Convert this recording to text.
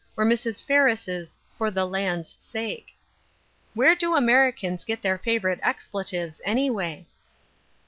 " or Mrs. Ferris' " For the land's sake I " Where do Americans get their favorite expletives, anyway